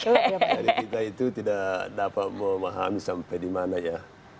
jadi kita itu tidak dapat memahami sampai dimana ya